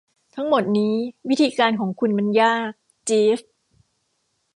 ทั้งหมดนี้ วิธีการของคุณมันยาก จีฟ